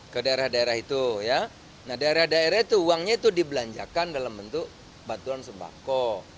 ke daerah daerah itu ya nah daerah daerah itu uangnya itu dibelanjakan dalam bentuk bantuan sembako